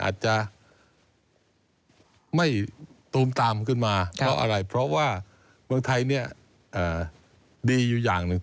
อาจจะไม่ตูมตามขึ้นมาเพราะอะไรเพราะว่าเมืองไทยเนี่ยดีอยู่อย่างหนึ่ง